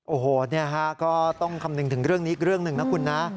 โอ้โหก็ต้องคำนึงถึงเรื่องนี้อีกเรื่องหนึ่งนะคุณนะ